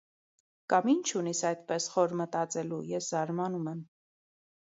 կամ ի՞նչ ունիս այդպես խոր մտածելու, ես զարմանում եմ…